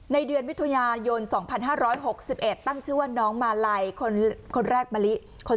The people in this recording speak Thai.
ในเดือนวิทยาโยนสองพันห้าร้อยหกสิบเอ็ดตั้งชื่อว่าน้องมาลัยคนคนแรกมะลิ